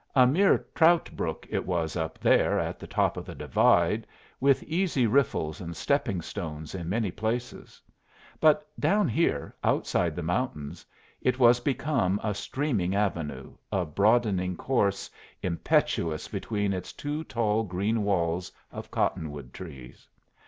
A mere trout brook it was up there at the top of the divide, with easy riffles and stepping stones in many places; but down here, outside the mountains, it was become a streaming avenue, a broadening course, impetuous between its two tall green walls of cottonwood trees.